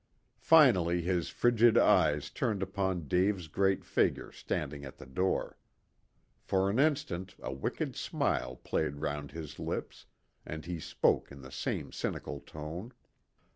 Finally his frigid eyes turned upon Dave's great figure standing at the door. For an instant a wicked smile played round his lips, and he spoke in the same cynical tone.